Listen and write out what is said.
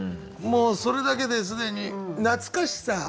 もうそれだけで既に懐かしさ。